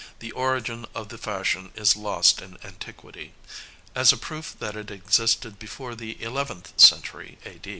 The origin of the fashion is lost in antiquity. As a proof that it existed before the eleventh century, A.